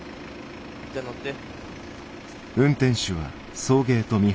じゃあ乗って。